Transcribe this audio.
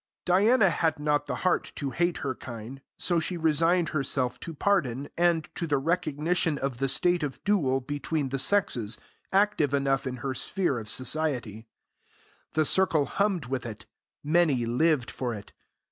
Diana had not the heart to hate her kind, so she resigned herself to pardon, and to the recognition of the state of duel between the sexes active enough in her sphere of society. The circle hummed with it; many lived for it.